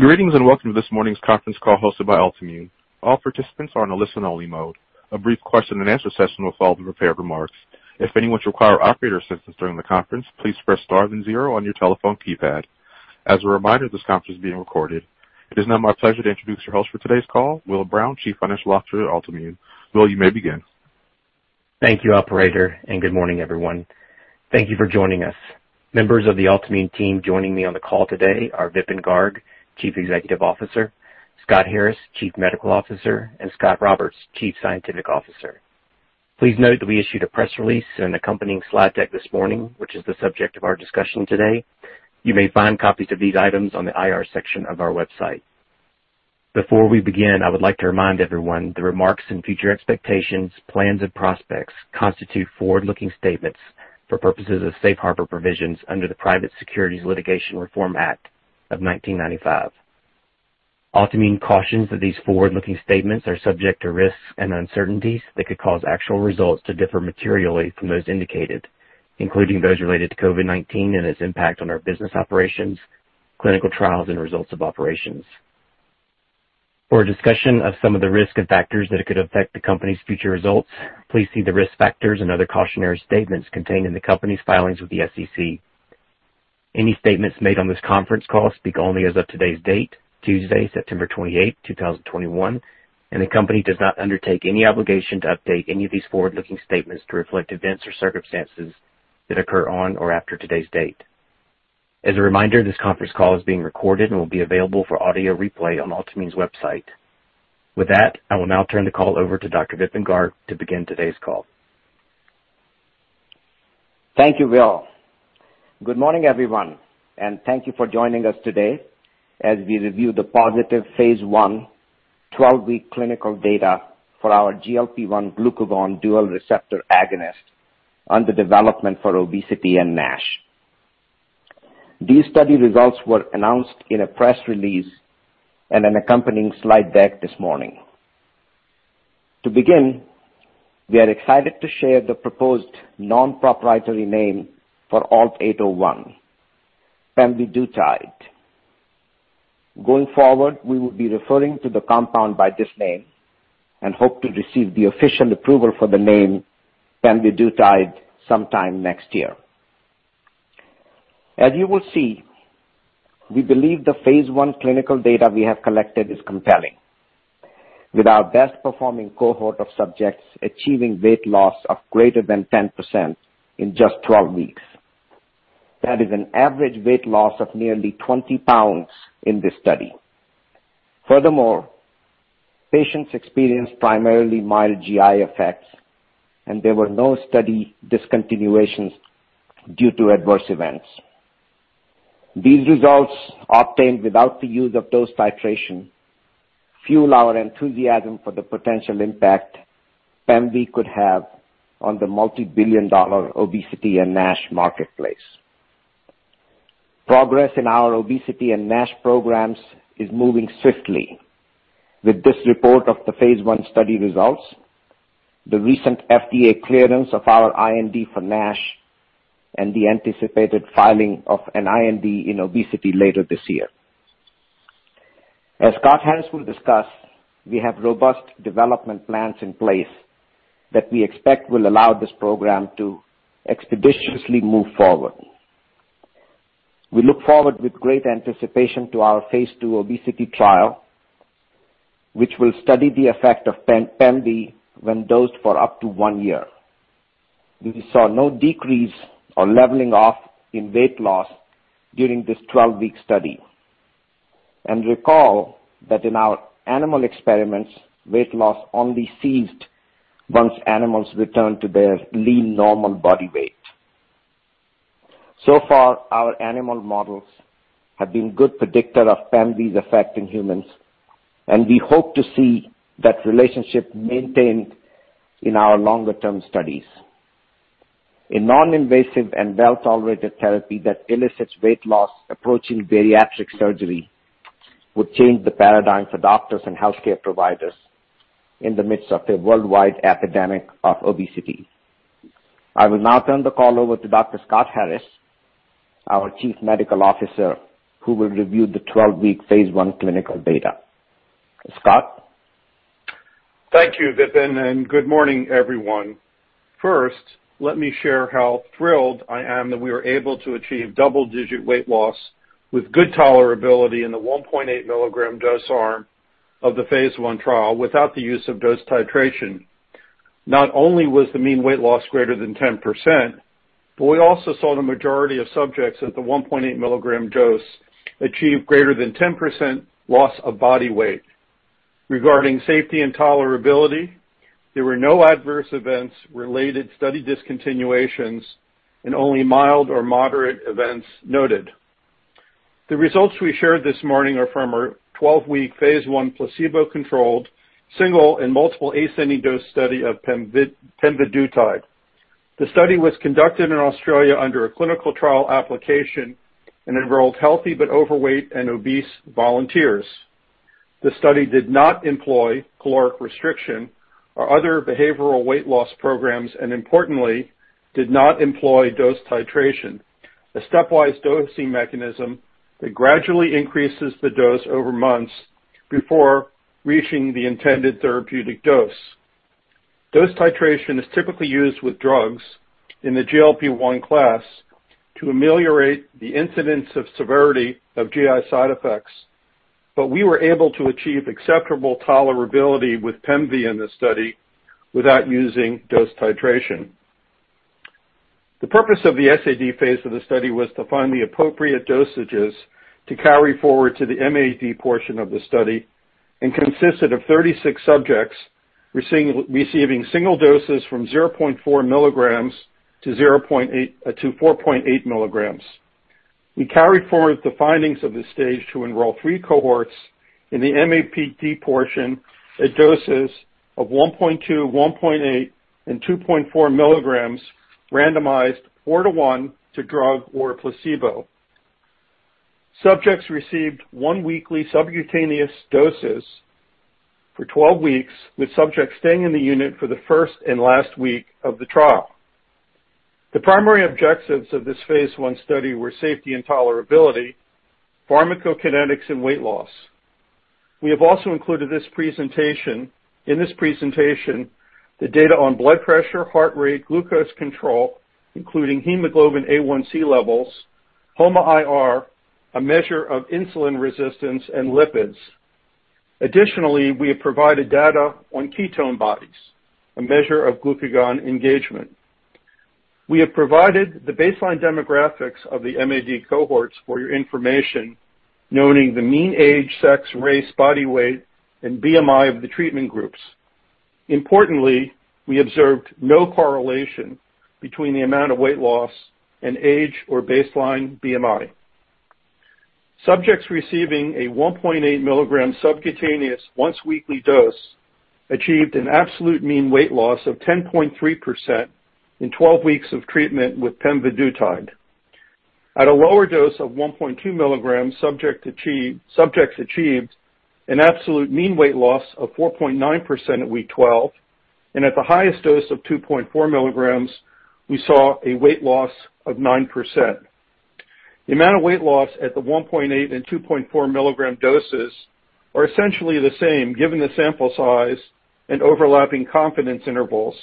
Greetings and welcome to this morning's conference call hosted by Altimmune. All participants are in a listen-only mode. A brief question and answer session will follow the prepared remarks. If anyone should require operator assistance during the conference, please press star then zero on your telephone keypad. As a reminder, this conference is being recorded. It is now my pleasure to introduce your host for today's call, Will Brown, Chief Financial Officer at Altimmune. Will, you may begin. Thank you, operator. Good morning, everyone. Thank you for joining us. Members of the Altimmune team joining me on the call today are Vipin Garg, Chief Executive Officer, Scott Harris, Chief Medical Officer, and Scot Roberts, Chief Scientific Officer. Please note that we issued a press release and accompanying slide deck this morning, which is the subject of our discussion today. You may find copies of these items on the IR section of our website. Before we begin, I would like to remind everyone that remarks and future expectations, plans, and prospects constitute forward-looking statements for purposes of safe harbor provisions under the Private Securities Litigation Reform Act of 1995. Altimmune cautions that these forward-looking statements are subject to risks and uncertainties that could cause actual results to differ materially from those indicated, including those related to COVID-19 and its impact on our business operations, clinical trials, and results of operations. For a discussion of some of the risk factors that could affect the company's future results, please see the risk factors and other cautionary statements contained in the company's filings with the SEC. Any statements made on this conference call speak only as of today's date, Tuesday, September 28th, 2021, and the company does not undertake any obligation to update any of these forward-looking statements to reflect events or circumstances that occur on or after today's date. As a reminder, this conference call is being recorded and will be available for audio replay on Altimmune's website. With that, I will now turn the call over to Dr. Vipin Garg to begin today's call. Thank you, Will. Good morning, everyone, and thank you for joining us today as we review the positive phase I 12-week clinical data for our GLP-1/glucagon dual receptor agonist under development for obesity and NASH. These study results were announced in a press release and an accompanying slide deck this morning. To begin, we are excited to share the proposed non-proprietary name for ALT-801, pemvidutide. Going forward, we will be referring to the compound by this name and hope to receive the official approval for the name pemvidutide sometime next year. As you will see, we believe the phase I clinical data we have collected is compelling, with our best performing cohort of subjects achieving weight loss of greater than 10% in just 12 weeks. That is an average weight loss of nearly 20 pounds in this study. Furthermore, patients experienced primarily mild GI effects, and there were no study discontinuations due to adverse events. These results, obtained without the use of dose titration, fuel our enthusiasm for the potential impact pemvi could have on the multibillion-dollar obesity and NASH marketplace. Progress in our obesity and NASH programs is moving swiftly with this report of the phase I study results, the recent FDA clearance of our IND for NASH, and the anticipated filing of an IND in obesity later this year. As Scott Harris will discuss, we have robust development plans in place that we expect will allow this program to expeditiously move forward. We look forward with great anticipation to our phase II obesity trial, which will study the effect of pemvi when dosed for up to one year. We saw no decrease or leveling off in weight loss during this 12-week study. Recall that in our animal experiments, weight loss only ceased once animals returned to their lean normal body weight. So far, our animal models have been good predictors of pemvi's effect in humans, and we hope to see that relationship maintained in our longer-term studies. A non-invasive and well-tolerated therapy that elicits weight loss approaching bariatric surgery would change the paradigm for doctors and healthcare providers in the midst of a worldwide epidemic of obesity. I will now turn the call over to Dr. Scott Harris, our Chief Medical Officer, who will review the 12-week phase I clinical data. Scott? Thank you, Vipin, and good morning, everyone. First, let me share how thrilled I am that we were able to achieve double-digit weight loss with good tolerability in the 1.8 mg dose arm of the phase I trial without the use of dose titration. Not only was the mean weight loss greater than 10%, we also saw the majority of subjects at the 1.8 mg dose achieve greater than 10% loss of body weight. Regarding safety and tolerability, there were no adverse events, related study discontinuations, and only mild or moderate events noted. The results we shared this morning are from our 12-week phase I placebo-controlled single and multiple ascending dose study of pemvidutide. The study was conducted in Australia under a clinical trial application and enrolled healthy but overweight and obese volunteers. The study did not employ caloric restriction or other behavioral weight loss programs, and importantly, did not employ dose titration, a stepwise dosing mechanism that gradually increases the dose over months before reaching the intended therapeutic dose. Dose titration is typically used with drugs in the GLP-1 class to ameliorate the incidence of severity of GI side effects. We were able to achieve acceptable tolerability with pemvi in the study without using dose titration. The purpose of the SAD phase of the study was to find the appropriate dosages to carry forward to the MAD portion of the study and consisted of 36 subjects receiving single doses from 0.4 mg-4.8 mg. We carried forward the findings of this stage to enroll three cohorts in the MAD portion at doses of 1.2, 1.8, and 2.4 mg randomized 4:1 to drug or placebo. Subjects received one weekly subcutaneous dosage for 12 weeks, with subjects staying in the unit for the 1st and last week of the trial. The primary objectives of this phase I study were safety and tolerability, pharmacokinetics, and weight loss. We have also included in this presentation, the data on blood pressure, heart rate, glucose control, including hemoglobin A1C levels, HOMA-IR, a measure of insulin resistance, and lipids. Additionally, we have provided data on ketone bodies, a measure of glucagon engagement. We have provided the baseline demographics of the MAD cohorts for your information, noting the mean age, sex, race, body weight, and BMI of the treatment groups. Importantly, we observed no correlation between the amount of weight loss and age or baseline BMI. Subjects receiving a 1.8 mg subcutaneous once-weekly dose achieved an absolute mean weight loss of 10.3% in 12 weeks of treatment with pemvidutide. At a lower dose of 1.2 mg, subjects achieved an absolute mean weight loss of 4.9% at week 12, and at the highest dose of 2.4 mg, we saw a weight loss of 9%. The amount of weight loss at the 1.8 and 2.4 mg doses are essentially the same given the sample size and overlapping confidence intervals,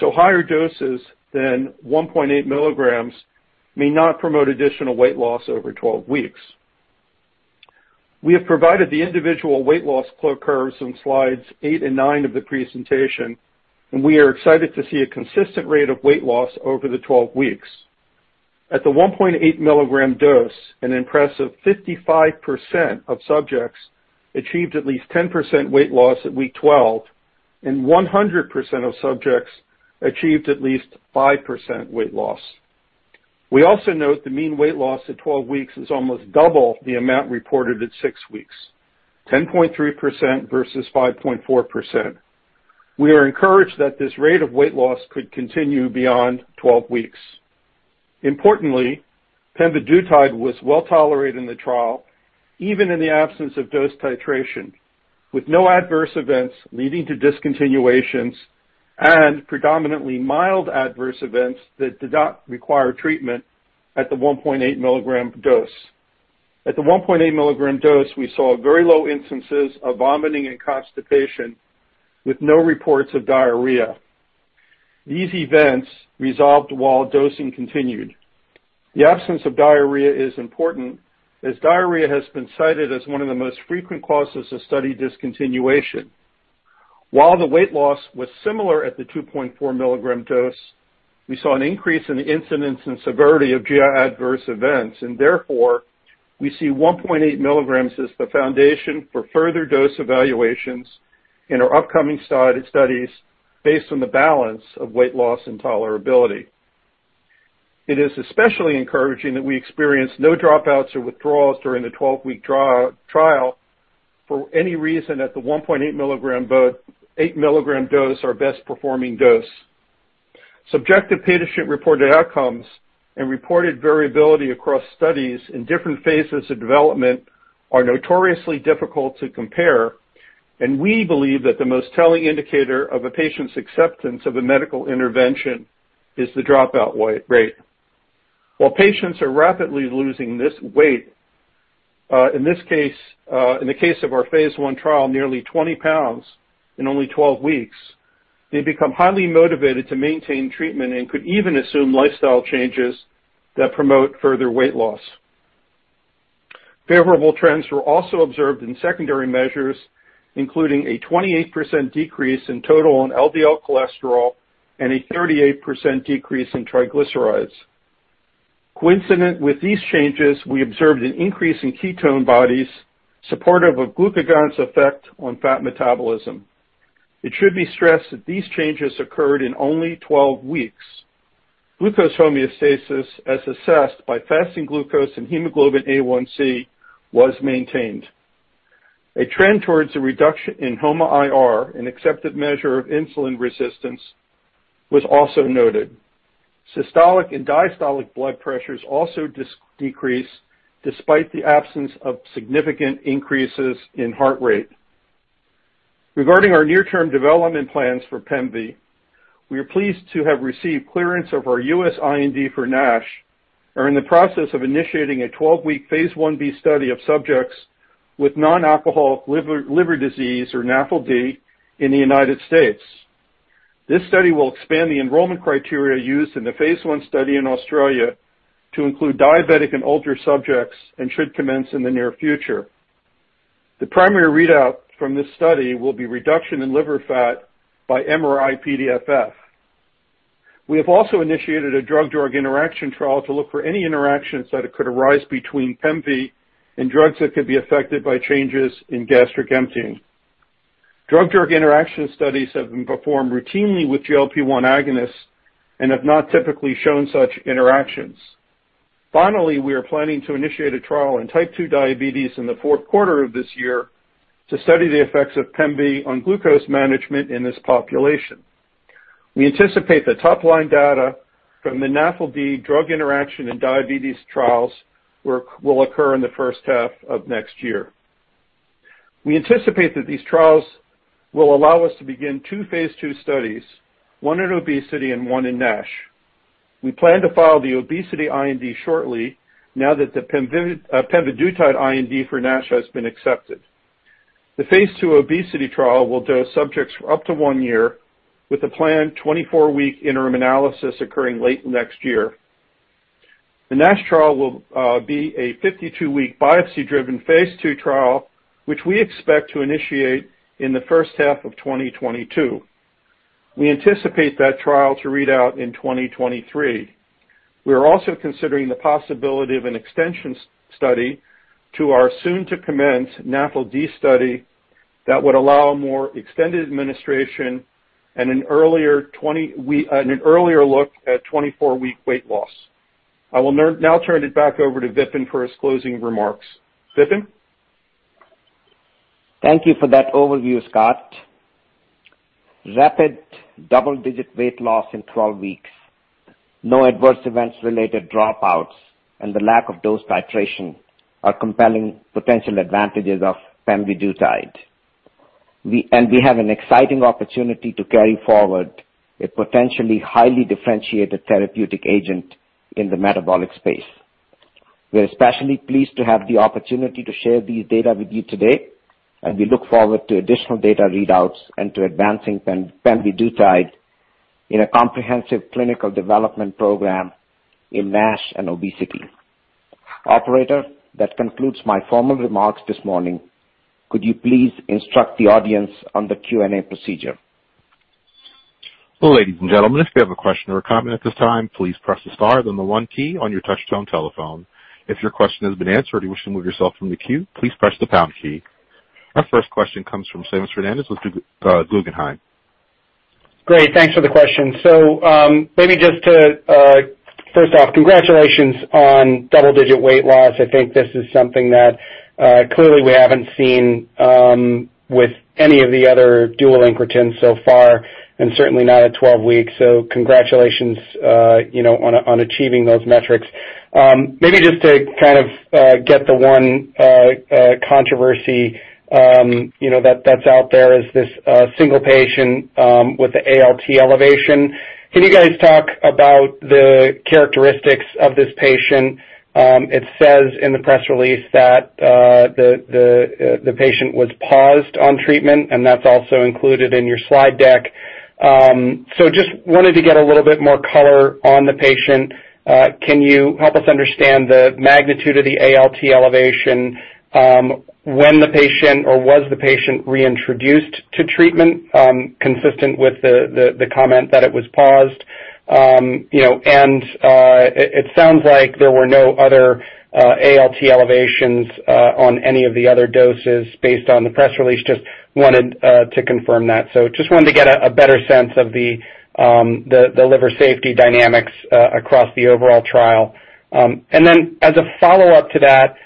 so higher doses than 1.8 mg may not promote additional weight loss over 12 weeks. We have provided the individual weight loss curves on slides 8 and 9 of the presentation, and we are excited to see a consistent rate of weight loss over the 12 weeks. At the 1.8 mg dose, an impressive 55% of subjects achieved at least 10% weight loss at week 12, and 100% of subjects achieved at least 5% weight loss. We also note the mean weight loss at 12 weeks is almost double the amount reported at six weeks, 10.3% versus 5.4%. We are encouraged that this rate of weight loss could continue beyond 12 weeks. Importantly, pemvidutide was well-tolerated in the trial, even in the absence of dose titration, with no adverse events leading to discontinuations and predominantly mild adverse events that did not require treatment at the 1.8 mg dose. At the 1.8 mg dose, we saw very low instances of vomiting and constipation with no reports of diarrhea. These events resolved while dosing continued. The absence of diarrhea is important, as diarrhea has been cited as one of the most frequent causes of study discontinuation. While the weight loss was similar at the 2.4 mg dose, we saw an increase in the incidence and severity of GI adverse events. Therefore, we see 1.8 mg as the foundation for further dose evaluations in our upcoming studies based on the balance of weight loss and tolerability. It is especially encouraging that we experienced no dropouts or withdrawals during the 12-week trial for any reason at the 1.8 mg dose, our best-performing dose. Subjective patient-reported outcomes and reported variability across studies in different phases of development are notoriously difficult to compare, and we believe that the most telling indicator of a patient's acceptance of a medical intervention is the dropout rate. While patients are rapidly losing this weight, in the case of our phase I trial, nearly 20 lbs in only 12 weeks, they become highly motivated to maintain treatment and could even assume lifestyle changes that promote further weight loss. Favorable trends were also observed in secondary measures, including a 28% decrease in total and LDL cholesterol and a 38% decrease in triglycerides. Coincident with these changes, we observed an increase in ketone bodies supportive of glucagon's effect on fat metabolism. It should be stressed that these changes occurred in only 12 weeks. Glucose homeostasis, as assessed by fasting glucose and hemoglobin A1C, was maintained. A trend towards a reduction in HOMA-IR, an accepted measure of insulin resistance, was also noted. Systolic and diastolic blood pressures also decrease despite the absence of significant increases in heart rate. Regarding our near-term development plans for pemvi, we are pleased to have received clearance of our U.S. IND for NASH and are in the process of initiating a 12-week phase I-B study of subjects with non-alcoholic liver disease, or NAFLD, in the United States. This study will expand the enrollment criteria used in the phase I study in Australia to include diabetic and older subjects and should commence in the near future. The primary readout from this study will be reduction in liver fat by MRI-PDFF. We have also initiated a drug-drug interaction trial to look for any interactions that could arise between pemvi and drugs that could be affected by changes in gastric emptying. Drug-drug interaction studies have been performed routinely with GLP-1 agonists and have not typically shown such interactions. Finally, we are planning to initiate a trial in type 2 diabetes in the fourth quarter of this year to study the effects of pemvi on glucose management in this population. We anticipate the top-line data from the NAFLD drug interaction in diabetes trials will occur in the first half of next year. We anticipate that these trials will allow us to begin two phase II studies, one in obesity and one in NASH. We plan to file the obesity IND shortly now that the pemvidutide IND for NASH has been accepted. The phase II obesity trial will dose subjects for up to one year with a planned 24-week interim analysis occurring late next year. The NASH trial will be a 52-week biopsy-driven phase II trial, which we expect to initiate in the first half of 2022. We anticipate that trial to read out in 2023. We are also considering the possibility of an extension study to our soon-to-commence NAFLD study that would allow more extended administration and an earlier look at 24-week weight loss. I will now turn it back over to Vipin for his closing remarks. Vipin? Thank you for that overview, Scott. Rapid double-digit weight loss in 12 weeks, no adverse events-related dropouts, and the lack of dose titration are compelling potential advantages of pemvidutide. We have an exciting opportunity to carry forward a potentially highly differentiated therapeutic agent in the metabolic space. We're especially pleased to have the opportunity to share these data with you today, and we look forward to additional data readouts and to advancing pemvidutide in a comprehensive clinical development program in NASH and obesity. Operator, that concludes my formal remarks this morning. Could you please instruct the audience on the Q&A procedure? Ladies and gentlemen, if you have a question or a comment at this time, please press the star then the one key on your touch-tone telephone. If your question has been answered and you wish to remove yourself from the queue, please press the pound key. Our first question comes from Seamus Fernandez with Guggenheim. Great. Thanks for the question. First off, congratulations on double-digit weight loss. I think this is something that clearly we haven't seen with any of the other dual incretins so far, and certainly not at 12 weeks. Congratulations on achieving those metrics. The one controversy that's out there is this single patient with the ALT elevation. Can you guys talk about the characteristics of this patient? It says in the press release that the patient was paused on treatment, and that's also included in your slide deck. Just wanted to get a little bit more color on the patient. Can you help us understand the magnitude of the ALT elevation? When the patient or was the patient reintroduced to treatment, consistent with the comment that it was paused? It sounds like there were no other ALT elevations on any of the other doses based on the press release, just wanted to confirm that. Just wanted to get a better sense of the liver safety dynamics across the overall trial. Then as a follow-up to that,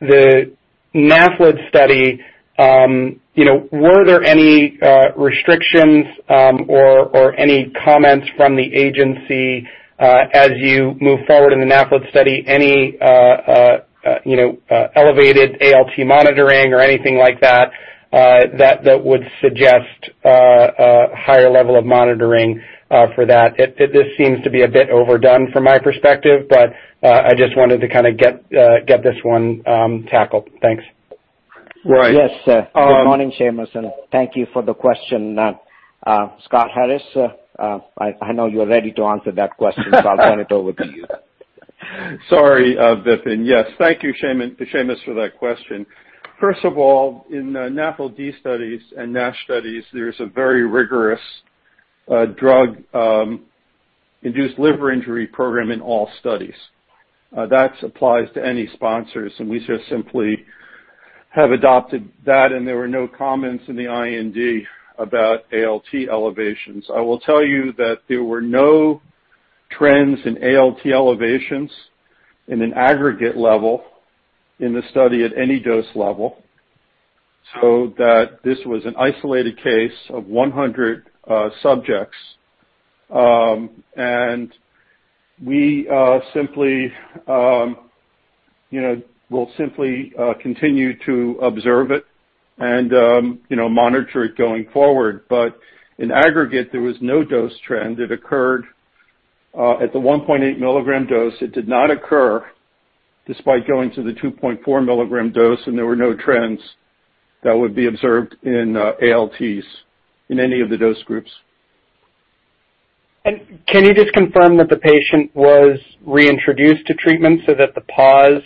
the NAFLD study, were there any restrictions or any comments from the agency as you move forward in the NAFLD study? Any elevated ALT monitoring or anything like that would suggest a higher level of monitoring for that? This seems to be a bit overdone from my perspective, but I just wanted to get this one tackled. Thanks. Yes. Good morning, Seamus, and thank you for the question. Scott Harris, I know you're ready to answer that question, I'll turn it over to you. Sorry, Vipin. Yes. Thank you, Seamus, for that question. First of all, in NAFLD studies and NASH studies, there is a very rigorous drug-induced liver injury program in all studies. That applies to any sponsors, and we just simply have adopted that, and there were no comments in the IND about ALT elevations. I will tell you that there were no trends in ALT elevations in an aggregate level in the study at any dose level. This was an isolated case of 100 subjects. We will simply continue to observe it and monitor it going forward. In aggregate, there was no dose trend. It occurred at the 1.8 mg dose. It did not occur despite going to the 2.4 mg dose, and there were no trends that would be observed in ALTs in any of the dose groups. Can you just confirm that the patient was reintroduced to treatment so that the pause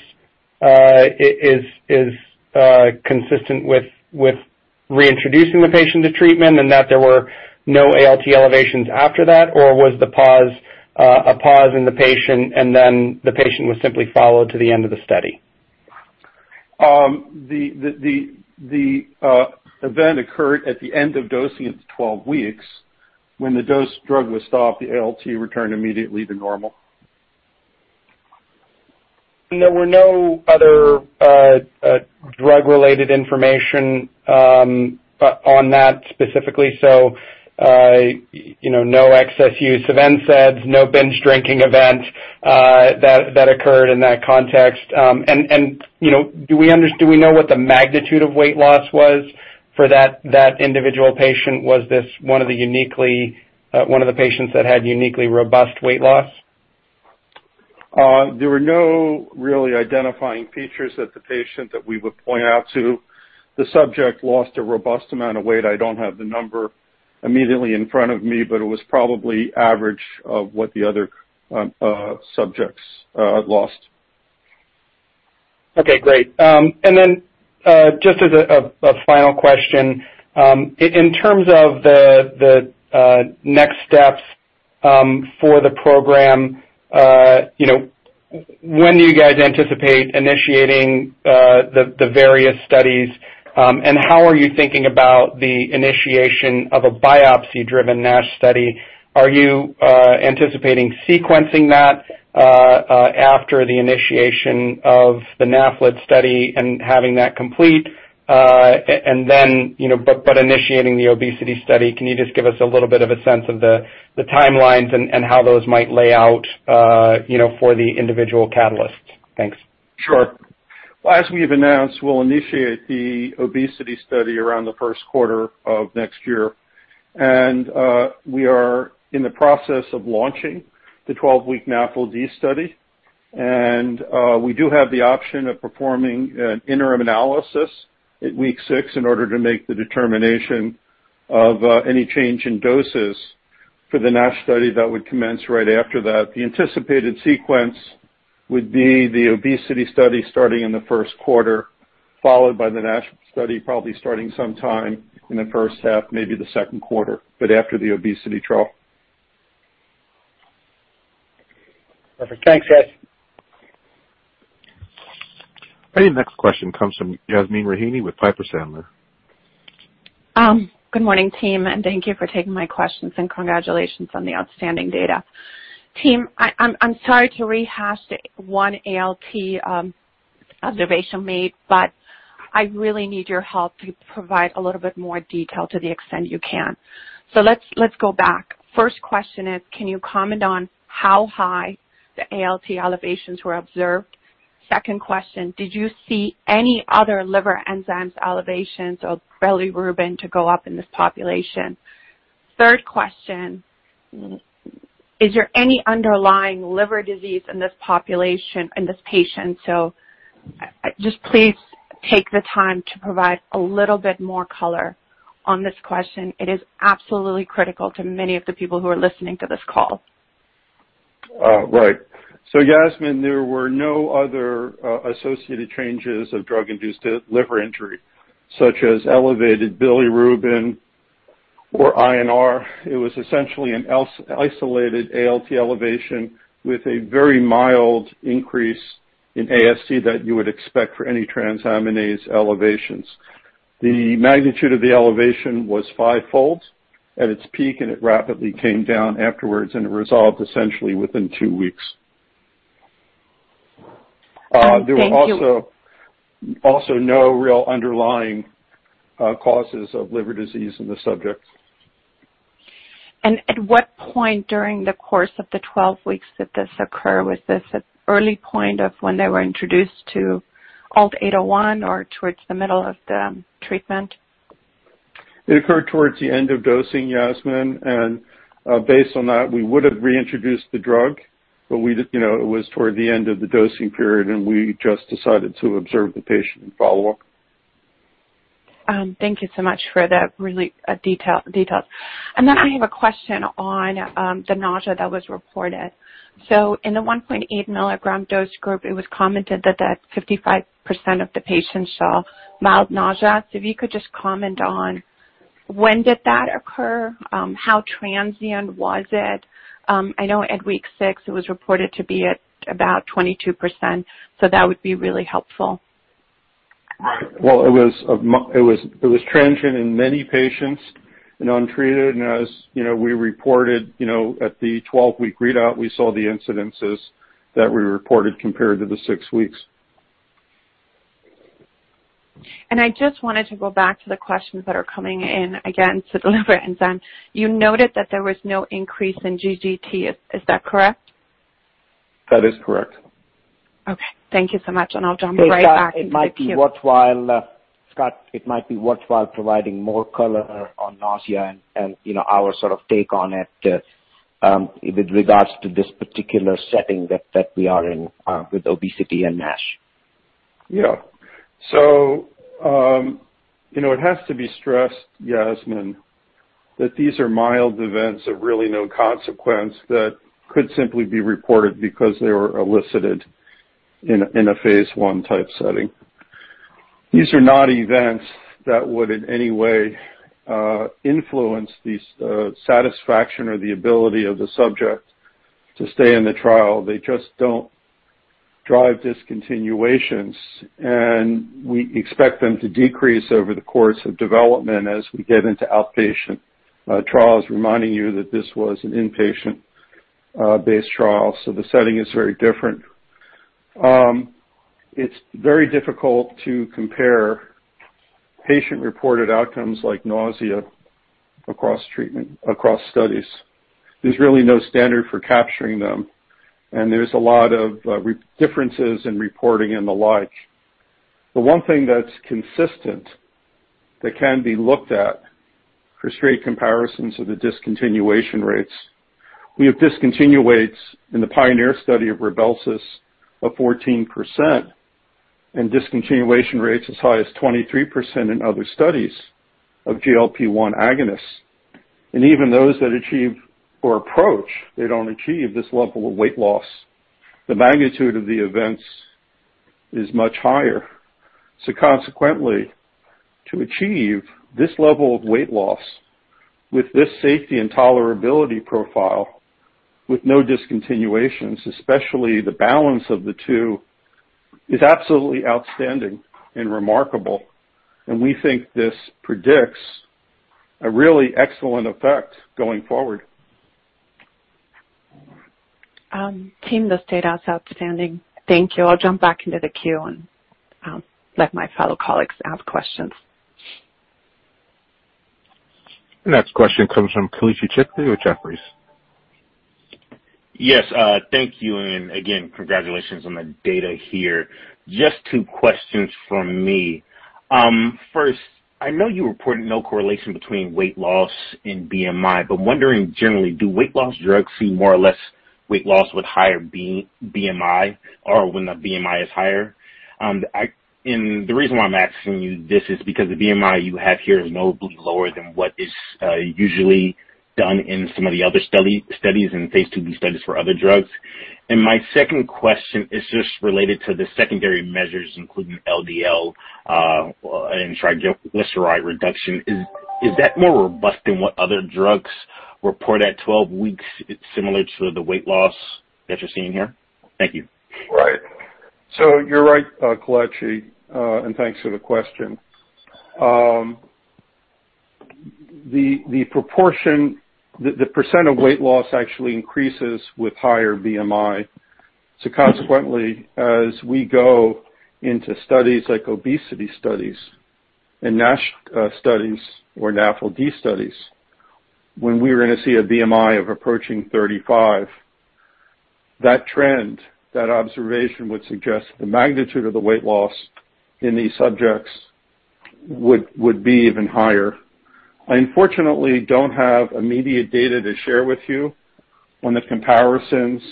is consistent with reintroducing the patient to treatment and that there were no ALT elevations after that? Was the pause a pause in the patient and then the patient was simply followed to the end of the study? The event occurred at the end of dosing at the 12 weeks. When the dose drug was stopped, the ALT returned immediately to normal. There were no other drug-related information on that specifically. No excess use of NSAIDs, no binge drinking event that occurred in that context. Do we know what the magnitude of weight loss was for that individual patient? Was this one of the patients that had uniquely robust weight loss? There were no really identifying features that the patient that we would point out to. The subject lost a robust amount of weight. I don't have the number immediately in front of me, but it was probably average of what the other subjects lost. Okay, great. Just as a final question. In terms of the next steps for the program, when do you guys anticipate initiating the various studies? How are you thinking about the initiation of a biopsy-driven NASH study? Are you anticipating sequencing that after the initiation of the NAFLD study and having that complete, but initiating the obesity study? Can you just give us a little bit of a sense of the timelines and how those might lay out for the individual catalysts? Thanks. Sure. As we've announced, we'll initiate the obesity study around the first quarter of next year. We are in the process of launching the 12-week NAFLD study. We do have the option of performing an interim analysis at week six in order to make the determination of any change in doses for the NASH study that would commence right after that. The anticipated sequence would be the obesity study starting in the first quarter, followed by the NASH study, probably starting sometime in the first half, maybe the second quarter, but after the obesity trial. Perfect. Thanks, guys. Our next question comes from Yasmeen Rahimi with Piper Sandler. Good morning, team, and thank you for taking my questions and congratulations on the outstanding data. Team, I'm sorry to rehash the one ALT observation made, but I really need your help to provide a little bit more detail to the extent you can. Let's go back. First question is, can you comment on how high the ALT elevations were observed? Second question, did you see any other liver enzymes elevations of bilirubin to go up in this population? Third question, is there any underlying liver disease in this patient? Just please take the time to provide a little bit more color on this question. It is absolutely critical to many of the people who are listening to this call. Yasmeen, there were no other associated changes of drug-induced liver injury, such as elevated bilirubin or INR. It was essentially an isolated ALT elevation with a very mild increase in AST that you would expect for any transaminase elevations. The magnitude of the elevation was fivefold at its peak, and it rapidly came down afterwards, and it resolved essentially within two weeks. Thank you. There were also no real underlying causes of liver disease in the subject. At what point during the course of the 12 weeks did this occur? Was this at early point of when they were introduced to ALT-801 or towards the middle of the treatment? It occurred towards the end of dosing, Yasmeen, and based on that, we would have reintroduced the drug, but it was toward the end of the dosing period, and we just decided to observe the patient and follow up. Thank you so much for that really detailed. I have a question on the nausea that was reported. In the 1.8 mg dose group, it was commented that 55% of the patients saw mild nausea. If you could just comment on when did that occur? How transient was it? I know at week six it was reported to be at about 22%, that would be really helpful. Right. Well, it was transient in many patients and untreated. As we reported at the 12-week readout, we saw the incidences that we reported compared to the six weeks. I just wanted to go back to the questions that are coming in again to deliver. You noted that there was no increase in GGT. Is that correct? That is correct. Okay. Thank you so much. I'll jump right back into the queue. It might be worthwhile, Scott. It might be worthwhile providing more color on nausea and our sort of take on it with regards to this particular setting that we are in with obesity and NASH. It has to be stressed, Yasmeen, that these are mild events of really no consequence that could simply be reported because they were elicited in a phase I type setting. These are not events that would in any way influence the satisfaction or the ability of the subject to stay in the trial. They just don't drive discontinuations, and we expect them to decrease over the course of development as we get into outpatient trials, reminding you that this was an inpatient-based trial. The setting is very different. It's very difficult to compare patient-reported outcomes like nausea across treatment, across studies. There's really no standard for capturing them, and there's a lot of differences in reporting and the like. The one thing that's consistent that can be looked at for straight comparisons are the discontinuation rates. We have discontinue rates in the PIONEER study of RYBELSUS of 14%, and discontinuation rates as high as 23% in other studies of GLP-1 agonists. Even those that achieve or approach, they don't achieve this level of weight loss. The magnitude of the events is much higher. Consequently, to achieve this level of weight loss with this safety and tolerability profile with no discontinuations, especially the balance of the two, is absolutely outstanding and remarkable. We think this predicts a really excellent effect going forward. Team, this data is outstanding. Thank you. I'll jump back into the queue and let my fellow colleagues ask questions. Next question comes from Kelechi Chikere with Jefferies. Yes. Thank you, again, congratulations on the data here. Just two questions from me. First, I know you reported no correlation between weight loss and BMI, but wondering generally, do weight loss drugs see more or less weight loss with higher BMI or when the BMI is higher? The reason why I'm asking you this is because the BMI you have here is notably lower than what is usually done in some of the other studies in phase II studies for other drugs. My second question is just related to the secondary measures, including LDL and triglyceride reduction. Is that more robust than what other drugs report at 12 weeks, similar to the weight loss that you're seeing here? Thank you. Right. You're right, Kelechi, and thanks for the question. The percent of weight loss actually increases with higher BMI. Consequently, as we go into studies like obesity studies and NASH studies or NAFLD studies, when we're going to see a BMI of approaching 35, that trend, that observation would suggest the magnitude of the weight loss in these subjects would be even higher. I unfortunately don't have immediate data to share with you on the comparisons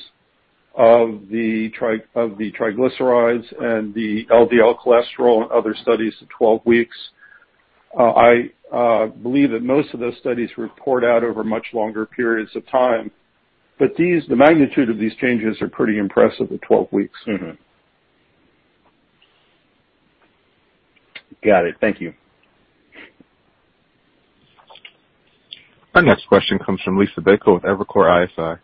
of the triglycerides and the LDL cholesterol in other studies at 12 weeks. I believe that most of those studies report out over much longer periods of time. The magnitude of these changes are pretty impressive at 12 weeks. Got it. Thank you. Our next question comes from Liisa Bayko with Evercore ISI.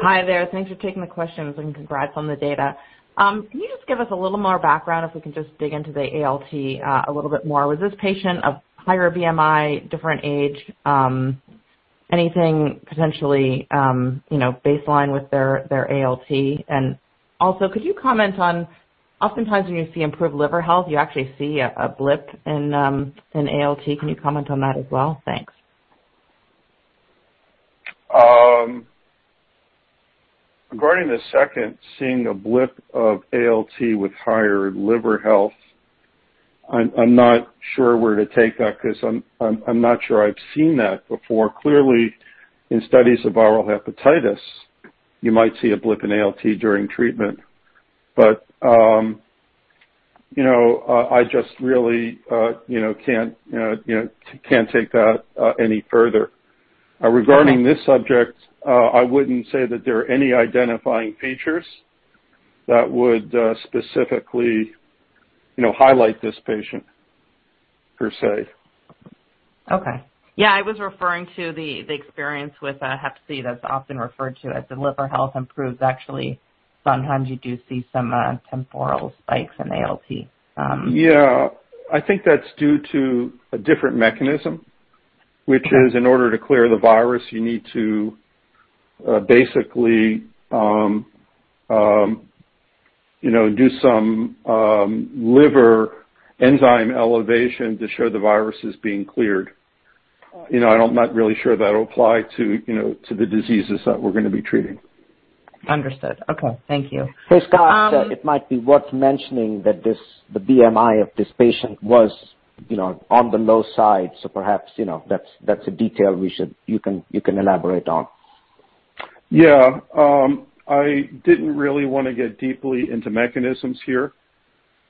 Hi there. Thanks for taking the questions and congrats on the data. Can you just give us a little more background if we can just dig into the ALT a little bit more? Was this patient of higher BMI, different age, anything potentially baseline with their ALT? And also, could you comment on oftentimes when you see improved liver health, you actually see a blip in ALT. Can you comment on that as well? Thanks. Regarding the second, seeing a blip of ALT with higher liver health, I'm not sure where to take that because I'm not sure I've seen that before. Clearly, in studies of viral hepatitis, you might see a blip in ALT during treatment. But I just really can't take that any further. Regarding this subject, I wouldn't say that there are any identifying features that would specifically highlight this patient, per se. Okay. Yeah, I was referring to the experience with hep C that's often referred to as the liver health improves. Actually, sometimes you do see some temporal spikes in ALT. Yeah. I think that's due to a different mechanism, which is in order to clear the virus, you need to basically do some liver enzyme elevation to show the virus is being cleared. I'm not really sure that will apply to the diseases that we're going to be treating. Understood. Okay. Thank you. Hey, Scott. It might be worth mentioning that the BMI of this patient was on the low side, so perhaps that's a detail you can elaborate on. Yeah. I didn't really want to get deeply into mechanisms here,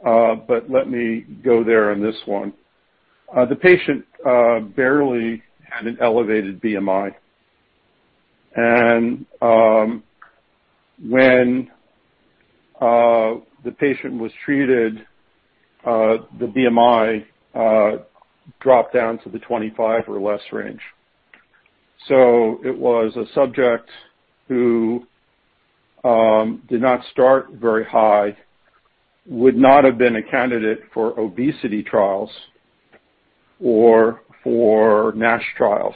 but let me go there on this one. The patient barely had an elevated BMI, and when the patient was treated, the BMI dropped down to the 25 or less range. It was a subject who did not start very high, would not have been a candidate for obesity trials or for NASH trials.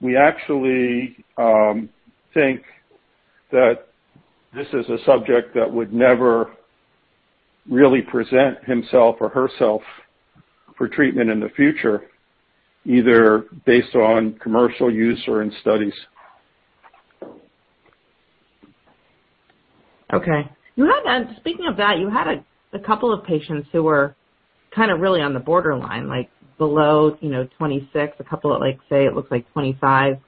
We actually think that this is a subject that would never really present himself or herself for treatment in the future, either based on commercial use or in studies. Okay. Speaking of that, you had a couple of patients who were kind of really on the borderline, like below 26, a couple that say it looks like 25,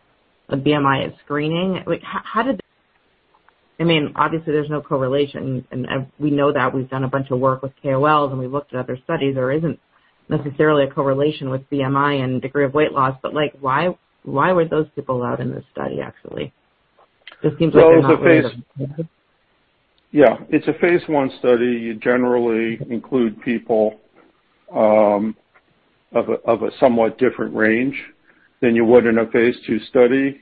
the BMI at screening. Obviously, there's no correlation, and we know that. We've done a bunch of work with KOLs, and we looked at other studies. There isn't necessarily a correlation with BMI and degree of weight loss. Why were those people allowed in this study, actually? Yeah. It's a phase I study. You generally include people of a somewhat different range than you would in a phase II study.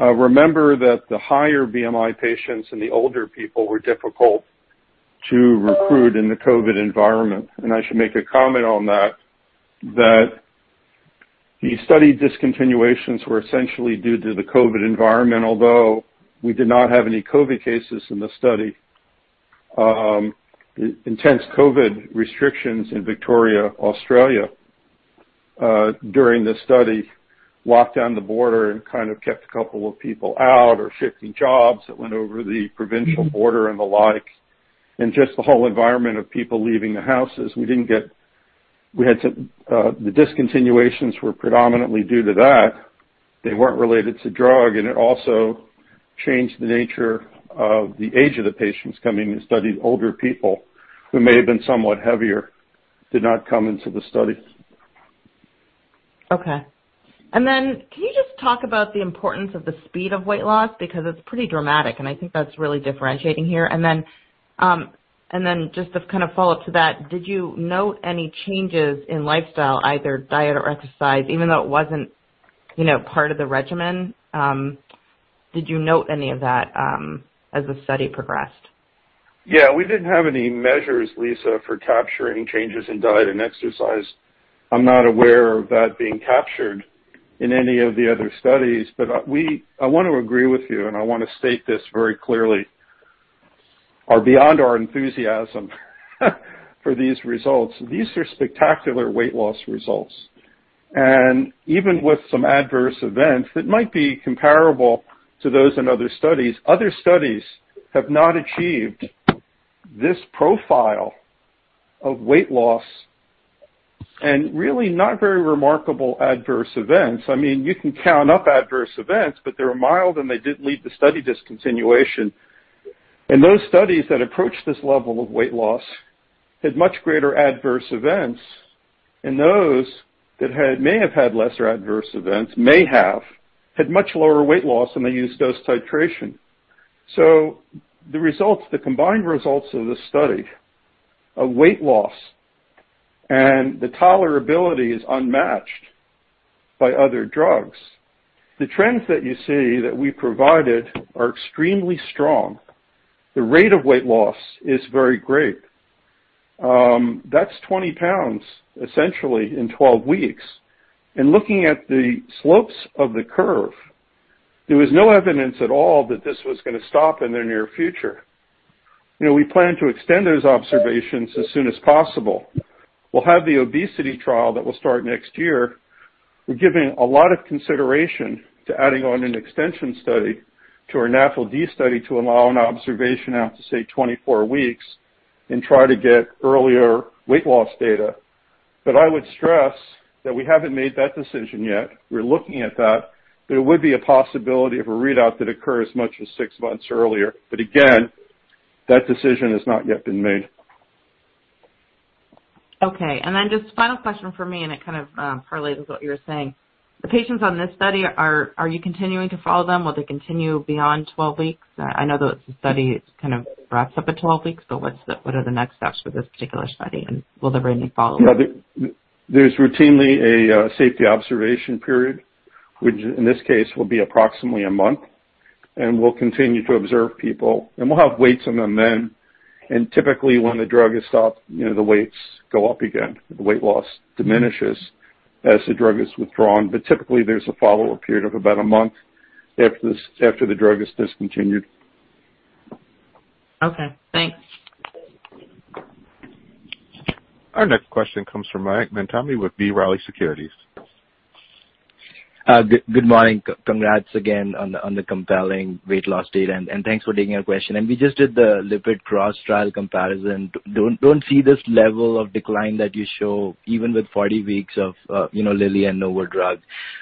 Remember that the higher BMI patients and the older people were difficult to recruit in the COVID environment. I should make a comment on that the study discontinuations were essentially due to the COVID environment, although we did not have any COVID cases in the study. Intense COVID restrictions in Victoria, Australia during the study locked down the border and kind of kept a couple of people out or shifting jobs that went over the provincial border and the like, and just the whole environment of people leaving the houses. The discontinuations were predominantly due to that. They weren't related to drug, and it also changed the nature of the age of the patients coming to study. Older people who may have been somewhat heavier did not come into the study. Okay. Can you just talk about the importance of the speed of weight loss? It's pretty dramatic. I think that's really differentiating here. Just to kind of follow up to that, did you note any changes in lifestyle, either diet or exercise, even though it wasn't part of the regimen? Did you note any of that as the study progressed? Yeah. We didn't have any measures, Liisa, for capturing changes in diet and exercise. I'm not aware of that being captured in any of the other studies. I want to agree with you, and I want to state this very clearly. Beyond our enthusiasm for these results, these are spectacular weight loss results. Even with some adverse events that might be comparable to those in other studies, other studies have not achieved this profile of weight loss and really not very remarkable adverse events. You can count up adverse events, but they were mild, and they didn't lead to study discontinuation. Those studies that approached this level of weight loss had much greater adverse events, and those that may have had lesser adverse events, had much lower weight loss, and they used dose titration. The combined results of this study of weight loss and the tolerability is unmatched by other drugs. The trends that you see that we provided are extremely strong. The rate of weight loss is very great. That's 20 lbs, essentially in 12 weeks. Looking at the slopes of the curve, there was no evidence at all that this was going to stop in the near future. We plan to extend those observations as soon as possible. We'll have the obesity trial that will start next year. We're giving a lot of consideration to adding on an extension study to our NAFLD study to allow an observation out to, say, 24 weeks and try to get earlier weight loss data. I would stress that we haven't made that decision yet. We're looking at that, but it would be a possibility of a readout that occurs much as six months earlier. Again, that decision has not yet been made. Okay. Just final question from me, and it kind of parlays with what you were saying. The patients on this study, are you continuing to follow them? Will they continue beyond 12 weeks? I know that the study kind of wraps up at 12 weeks, but what are the next steps for this particular study, and will there be any follow-up? There's routinely a safety observation period, which in this case will be approximately a month, and we'll continue to observe people. We'll have weights on them then. Typically, when the drug is stopped, the weights go up again. The weight loss diminishes as the drug is withdrawn. Typically, there's a follow-up period of about a month after the drug is discontinued. Okay, thanks. Our next question comes from Mayank Mamtani with B. Riley Securities. Good morning. Congrats again on the compelling weight loss data, and thanks for taking our question. We just did the lipid cross trial comparison. Don't see this level of decline that you show even with 40 weeks of Lilly and Novo drug.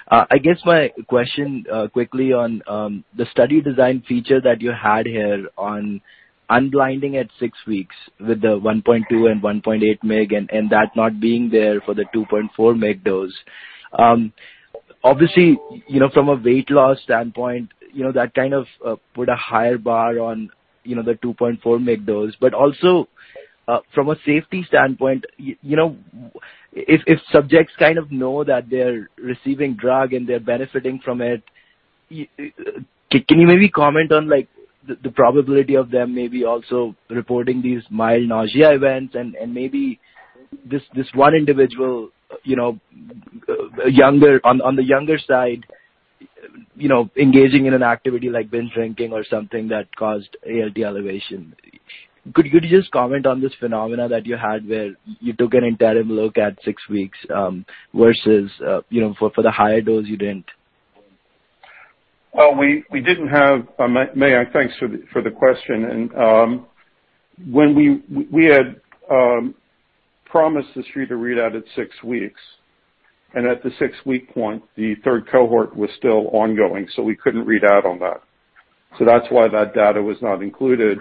I guess my question, quickly on the study design feature that you had here on unblinding at six weeks with the 1.2 and 1.8 mg and that not being there for the 2.4 mg dose. Obviously, from a weight loss standpoint, that kind of put a higher bar on the 2.4 mg dose. Also from a safety standpoint, if subjects kind of know that they're receiving drug and they're benefiting from it, can you maybe comment on the probability of them maybe also reporting these mild nausea events and maybe this one individual on the younger side engaging in an activity like binge drinking or something that caused ALT elevation? Could you just comment on this phenomena that you had where you took an interim look at six weeks versus for the higher dose you didn't? Mayank, thanks for the question. We had promised the Street a readout at six weeks, and at the six-week point, the third cohort was still ongoing, we couldn't read out on that. That's why that data was not included.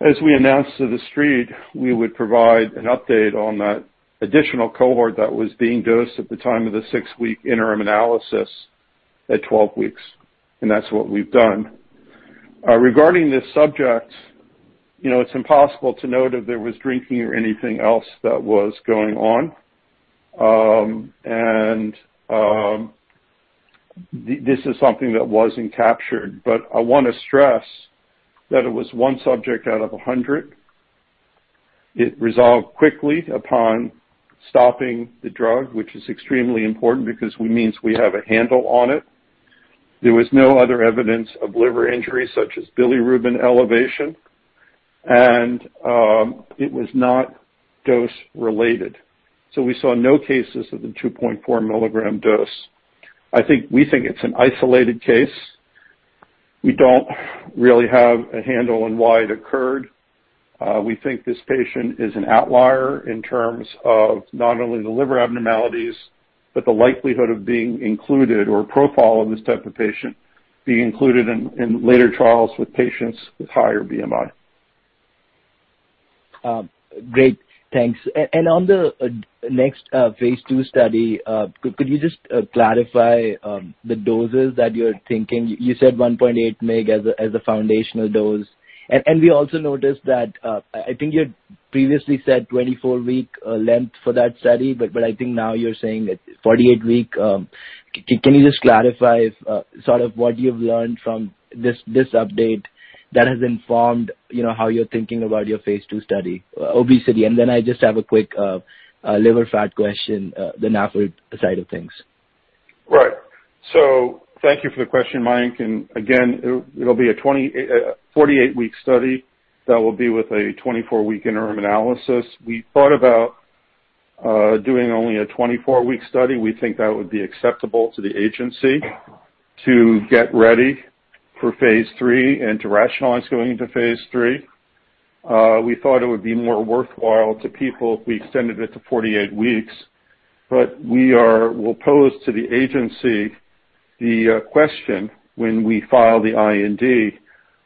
As we announced to the Street, we would provide an update on that additional cohort that was being dosed at the time of the six-week interim analysis at 12 weeks, and that's what we've done. Regarding this subject, it's impossible to know that there was drinking or anything else that was going on. This is something that wasn't captured, but I want to stress that it was one subject out of 100. It resolved quickly upon stopping the drug, which is extremely important because it means we have a handle on it. There was no other evidence of liver injury such as bilirubin elevation, and it was not dose-related. We saw no cases of the 2.4 mg dose. We think it's an isolated case. We don't really have a handle on why it occurred. We think this patient is an outlier in terms of not only the liver abnormalities, but the likelihood of being included or profile of this type of patient being included in later trials with patients with higher BMI. Great. Thanks. On the next phase II study, could you just clarify the doses that you're thinking? You said 1.8 mg as a foundational dose. We also noticed that, I think you had previously said 24-week length for that study, but I think now you're saying 48-week. Can you just clarify what you've learned from this update that has informed how you're thinking about your phase II study, obesity, and then I just have a quick liver fat question, the NAFLD side of things. Right. Thank you for the question, Mayank, and again, it'll be a 48-week study that will be with a 24-week interim analysis. We thought about doing only a 24-week study. We think that would be acceptable to the agency to get ready for phase III and to rationalize going into phase III. We thought it would be more worthwhile to people if we extended it to 48 weeks. We will pose to the agency the question when we file the IND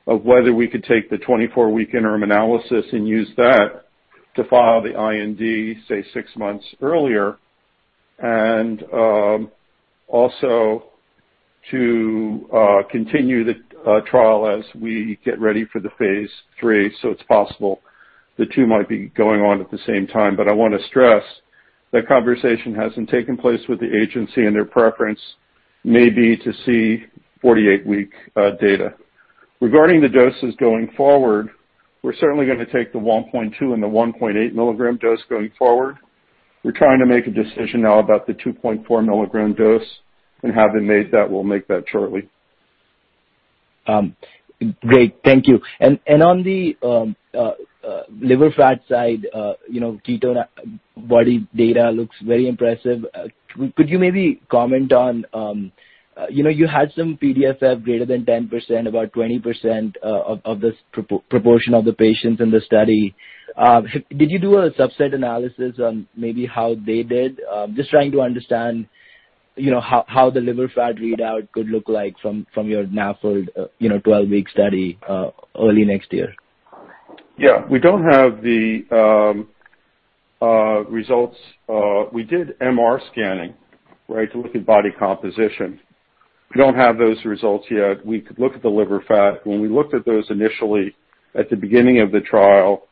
of whether we could take the 24-week interim analysis and use that to file the IND, say six months earlier, and also to continue the trial as we get ready for the phase III. It's possible the two might be going on at the same time, but I want to stress that conversation hasn't taken place with the agency, and their preference may be to see 48-week data. Regarding the doses going forward, we're certainly going to take the 1.2 and the 1.8 mg dose going forward. We're trying to make a decision now about the 2.4 mg dose, and having made that, we'll make that shortly. Great. Thank you. On the liver fat side, ketone body data looks very impressive. Could you maybe comment on you had some PDFF greater than 10%, about 20% of the proportion of the patients in the study. Did you do a subset analysis on maybe how they did? Just trying to understand how the liver fat readout could look like from your NAFLD 12-week study early next year. We don't have the results. We did MRI scanning to look at body composition. We don't have those results yet. We could look at the liver fat. When we looked at those initially at the beginning of the trial,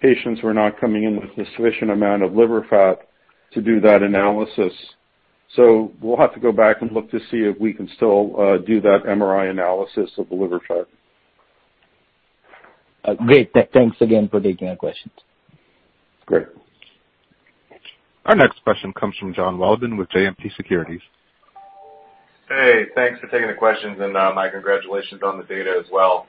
patients were not coming in with a sufficient amount of liver fat to do that analysis. We'll have to go back and look to see if we can still do that MRI analysis of the liver fat. Great. Thanks again for taking our questions. Great. Our next question comes from Jon Wolleben with JMP Securities. Hey, thanks for taking the questions and my congratulations on the data as well.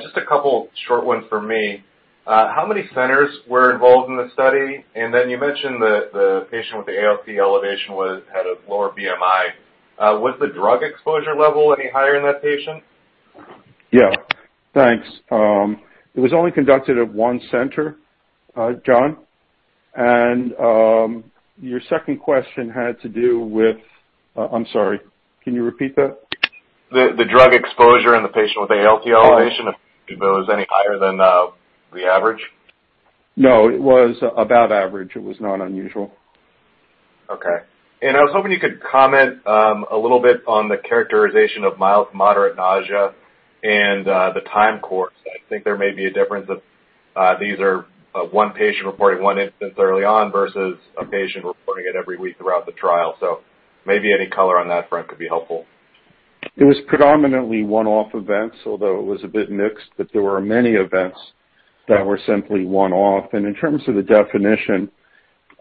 Just two short ones from me. How many centers were involved in the study? You mentioned the patient with the ALT elevation had a lower BMI. Was the drug exposure level any higher in that patient? Yeah. Thanks. It was only conducted at one center, Jon. I'm sorry, can you repeat that? The drug exposure in the patient with ALT elevation, if it was any higher than the average. No, it was about average. It was not unusual. Okay. I was hoping you could comment a little bit on the characterization of mild to moderate nausea and the time course. I think there may be a difference if these are one patient reporting one instance early on versus a patient reporting it every week throughout the trial. Maybe any color on that front could be helpful. It was predominantly one-off events, although it was a bit mixed, there were many events that were simply one-off. In terms of the definition,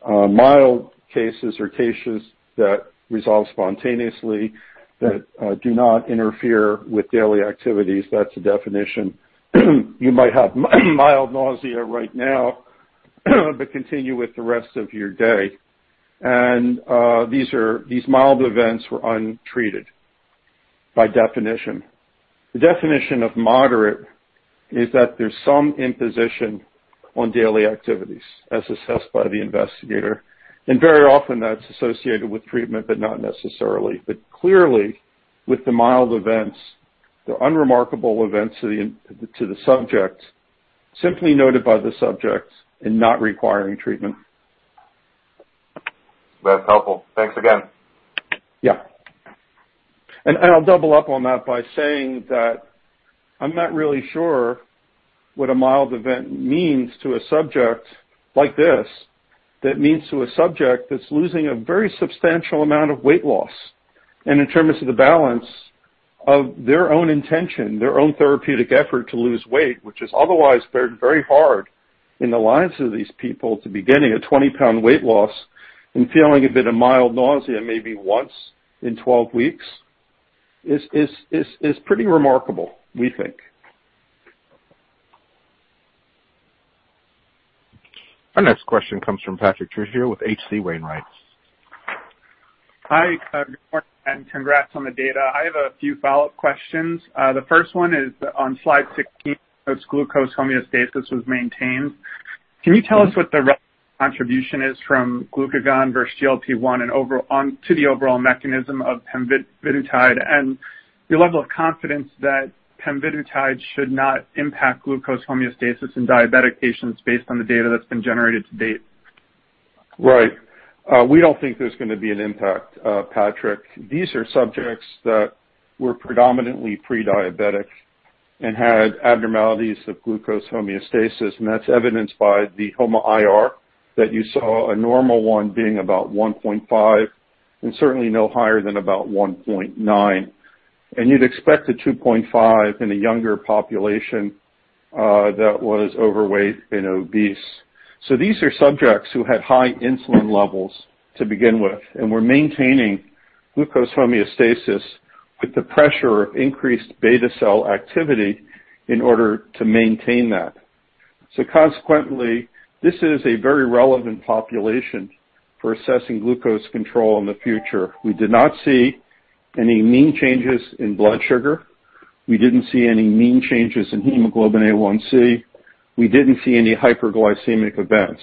mild cases are cases that resolve spontaneously, that do not interfere with daily activities. That's the definition. You might have mild nausea right now, continue with the rest of your day. These mild events were untreated by definition. The definition of moderate is that there's some imposition on daily activities as assessed by the investigator, and very often that's associated with treatment, but not necessarily. Clearly, with the mild events, they're unremarkable events to the subject, simply noted by the subject and not requiring treatment. That's helpful. Thanks again. Yeah. I'll double up on that by saying that I'm not really sure what a mild event means to a subject like this. That means to a subject that's losing a very substantial amount of weight loss, and in terms of the balance of their own intention, their own therapeutic effort to lose weight, which is otherwise very hard in the lives of these people to beginning a 20-lb weight loss and feeling a bit of mild nausea maybe once in 12 weeks, is pretty remarkable, we think. Our next question comes from Patrick Trucchio with H.C. Wainwright. Hi, good morning, and congrats on the data. I have a few follow-up questions. The first one is on slide 16, as glucose homeostasis was maintained. Can you tell us what the relative contribution is from glucagon versus GLP-1 to the overall mechanism of pemvidutide, and your level of confidence that pemvidutide should not impact glucose homeostasis in diabetic patients based on the data that's been generated to date? Right. We don't think there's going to be an impact, Patrick. These are subjects that were predominantly pre-diabetic and had abnormalities of glucose homeostasis, that's evidenced by the HOMA-IR that you saw, a normal one being about 1.5 and certainly no higher than about 1.9. You'd expect a 2.5 in a younger population that was overweight and obese. These are subjects who had high insulin levels to begin with and were maintaining glucose homeostasis with the pressure of increased beta cell activity in order to maintain that. Consequently, this is a very relevant population for assessing glucose control in the future. We did not see any mean changes in blood sugar. We didn't see any mean changes in hemoglobin A1C. We didn't see any hyperglycemic events.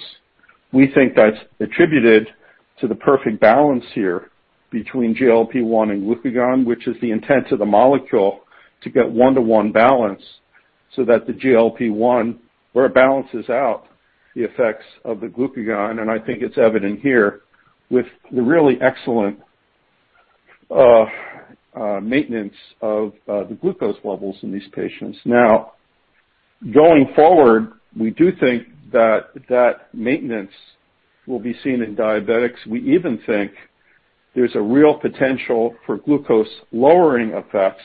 We think that's attributed to the perfect balance here between GLP-1 and glucagon, which is the intent of the molecule to get 1:1 balance so that the GLP-1, where it balances out the effects of the glucagon, and I think it's evident here with the really excellent maintenance of the glucose levels in these patients. Going forward, we do think that that maintenance will be seen in diabetics. We even think there's a real potential for glucose-lowering effects,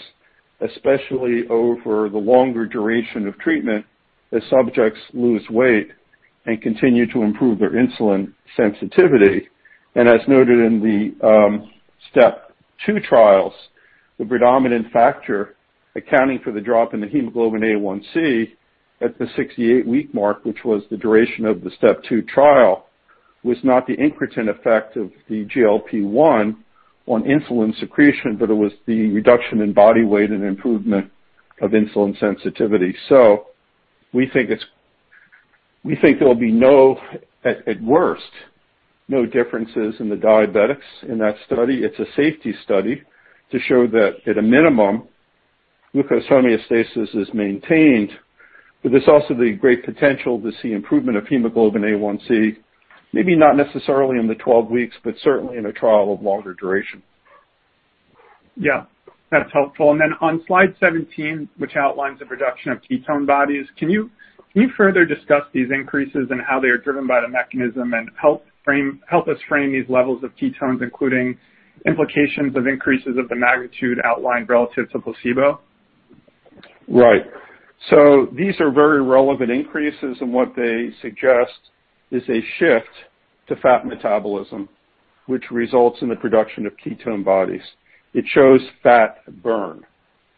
especially over the longer duration of treatment, as subjects lose weight and continue to improve their insulin sensitivity. As noted in the STEP 2 trials, the predominant factor accounting for the drop in the hemoglobin A1C at the 68-week mark, which was the duration of the STEP 2 trial, was not the incretin effect of the GLP-1 on insulin secretion, but it was the reduction in body weight and improvement of insulin sensitivity. We think there'll be no differences in the diabetics in that study. It's a safety study to show that at a minimum, glucose homeostasis is maintained. There's also the great potential to see improvement of hemoglobin A1C, maybe not necessarily in the 12 weeks, but certainly in a trial of longer duration. Yeah, that's helpful. Then on slide 17, which outlines the production of ketone bodies, can you further discuss these increases and how they are driven by the mechanism and help us frame these levels of ketones, including implications of increases of the magnitude outlined relative to placebo? Right. These are very relevant increases, and what they suggest is a shift to fat metabolism, which results in the production of ketone bodies. It shows fat burn,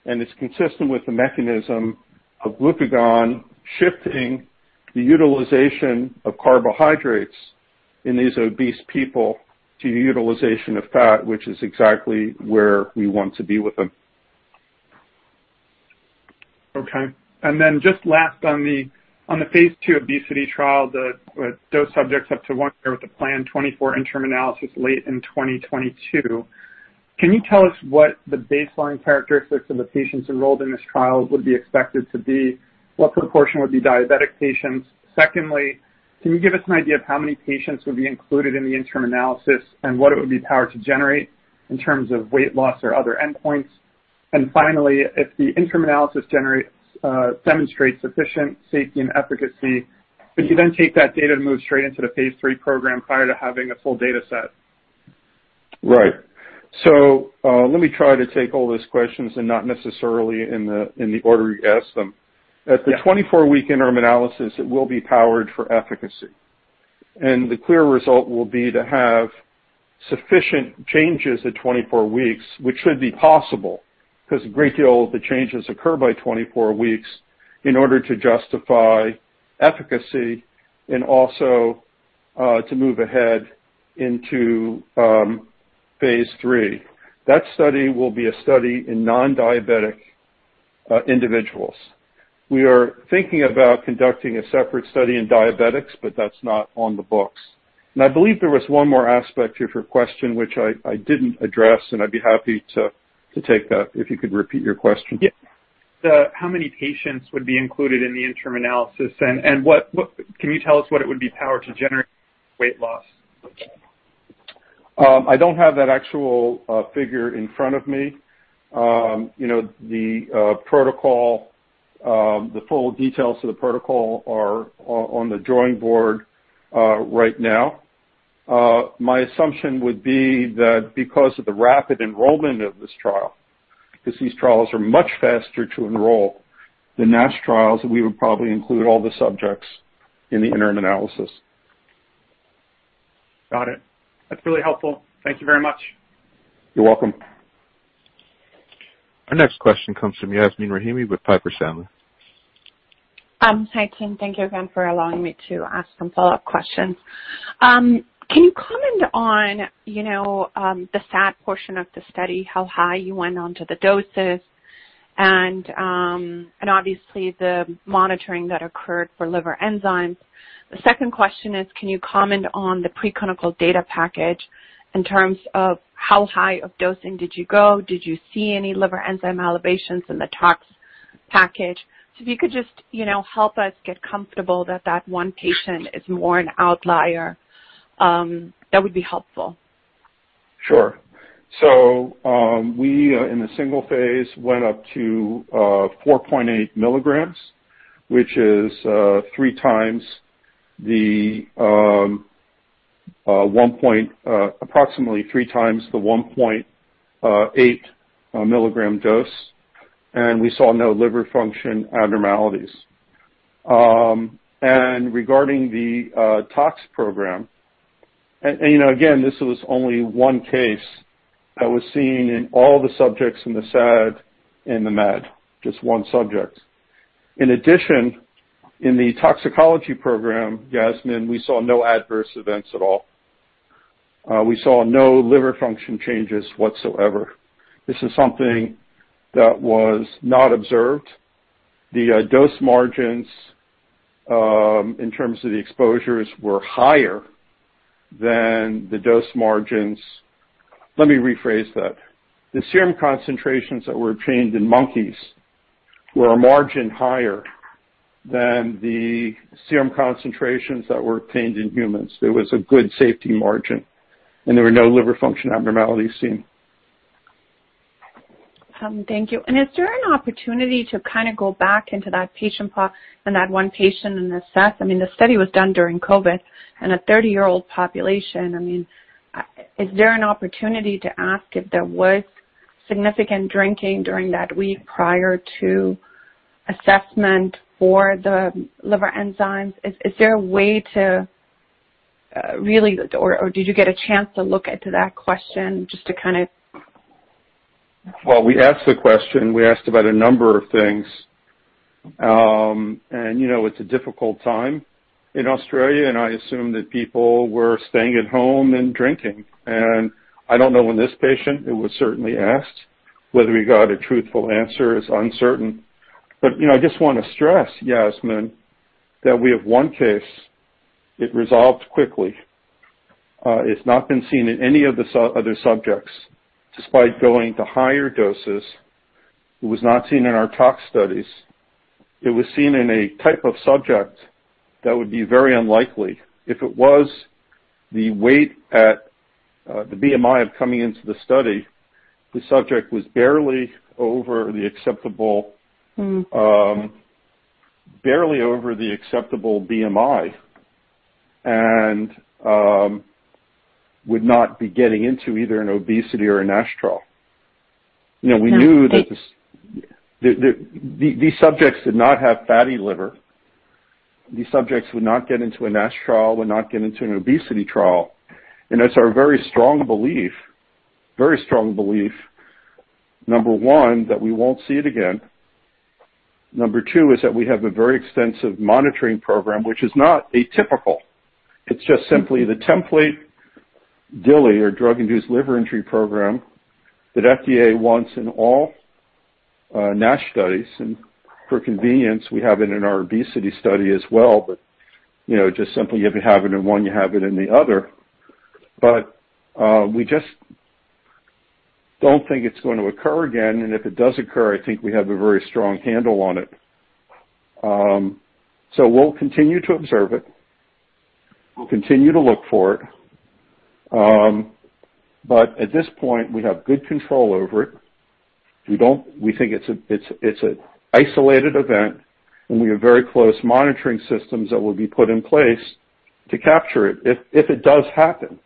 and it's consistent with the mechanism of glucagon shifting the utilization of carbohydrates in these obese people to the utilization of fat, which is exactly where we want to be with them. Okay. Then just last, on the phase II obesity trial, the dose subjects up to one year with the planned 24-week interim analysis late in 2022. Can you tell us what the baseline characteristics of the patients enrolled in this trial would be expected to be? What proportion would be diabetic patients? Secondly, can you give us an idea of how many patients would be included in the interim analysis and what it would be powered to generate in terms of weight loss or other endpoints? Finally, if the interim analysis demonstrates sufficient safety and efficacy, could you then take that data to move straight into the phase III program prior to having a full data set? Right. Let me try to take all those questions and not necessarily in the order you asked them. Yeah. At the 24-week interim analysis, it will be powered for efficacy. The clear result will be to have sufficient changes at 24 weeks, which should be possible because a great deal of the changes occur by 24 weeks in order to justify efficacy and also to move ahead into phase III. That study will be a study in non-diabetic individuals. We are thinking about conducting a separate study in diabetics, but that's not on the books. I believe there was one more aspect to your question which I didn't address, and I'd be happy to take that if you could repeat your question. How many patients would be included in the interim analysis, and can you tell us what it would be powered to generate weight loss? I don't have that actual figure in front of me. The full details of the protocol are on the drawing board right now. My assumption would be that because of the rapid enrollment of this trial, because these trials are much faster to enroll than NASH trials, we would probably include all the subjects in the interim analysis. Got it. That's really helpful. Thank you very much. You're welcome. Our next question comes from Yasmeen Rahimi with Piper Sandler. Hi, team. Thank you again for allowing me to ask some follow-up questions. Can you comment on the SAD portion of the study, how high you went on to the doses and, obviously, the monitoring that occurred for liver enzymes? The second question is, can you comment on the preclinical data package in terms of how high of dosing did you go? Did you see any liver enzyme elevations in the tox package? If you could just help us get comfortable that that one patient is more an outlier, that would be helpful. Sure. We, in the single phase, went up to 4.8 mg, which is approximately three times the 1.8 mg dose, and we saw no liver function abnormalities. Regarding the tox program, and again, this was only one case that was seen in all the subjects in the SAD and the MAD, just one subject. In addition, in the toxicology program, Yasmeen, we saw no adverse events at all. We saw no liver function changes whatsoever. This is something that was not observed. Let me rephrase that. The serum concentrations that were obtained in monkeys were a margin higher than the serum concentrations that were obtained in humans. There was a good safety margin, and there were no liver function abnormalities seen. Thank you. Is there an opportunity to go back into that patient pool and that one patient and assess? I mean, the study was done during COVID in a 30-year-old population. Is there an opportunity to ask if there was significant drinking during that week prior to assessment for the liver enzymes? Is there a way or did you get a chance to look into that question? Well, we asked the question. We asked about a number of things. It's a difficult time in Australia, and I assume that people were staying at home and drinking. I don't know in this patient, it was certainly asked. Whether we got a truthful answer is uncertain. I just want to stress, Yasmeen, that we have one case. It resolved quickly. It's not been seen in any of the other subjects, despite going to higher doses. It was not seen in our tox studies. It was seen in a type of subject that would be very unlikely. If it was the weight at the BMI of coming into the study, the subject was barely over the acceptable BMI, and would not be getting into either an obesity or a NASH trial. We knew that these subjects did not have fatty liver. These subjects would not get into a NASH trial, would not get into an obesity trial. It's our very strong belief, number 1, that we won't see it again. Number 2 is that we have a very extensive monitoring program, which is not atypical. It's just simply the template DILI, or Drug-Induced Liver Injury program, that FDA wants in all NASH studies. For convenience, we have it in our obesity study as well. Just simply if you have it in one, you have it in the other. We just don't think it's going to occur again. If it does occur, I think we have a very strong handle on it. We'll continue to observe it. We'll continue to look for it. At this point, we have good control over it. We think it's an isolated event, and we have very close monitoring systems that will be put in place to capture it. If it does happen,